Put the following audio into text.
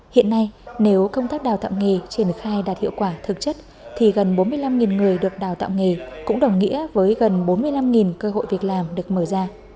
hiện nay nếu công tác đào tạo nghề triển khai đạt hiệu quả thực chất thì gần bốn mươi năm người được đào tạo nghề cũng đồng nghĩa với gần bốn mươi năm cơ hội việc làm được mở ra